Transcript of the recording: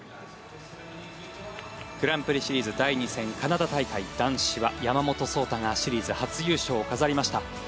グランプリシリーズ第２戦カナダ大会男子は男子は山本草太がシリーズ初優勝を飾りました。